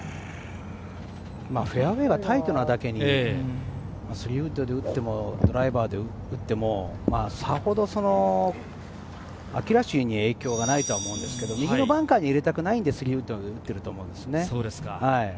フェアウエーがタイトなだけに、３ウッドで打っても、ドライバーで打っても、さほど影響はないと思うんですけれど、右のバンカーに入れたくないので、３ウッドで打っていると思います。